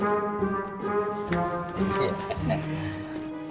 ya mak sudah